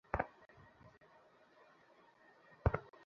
কারণ তিনি জানেন, উত্তপ্ত মস্তিকের কল্পনাই স্বপ্ন হিসেবে তাঁর কাছে এসেছে।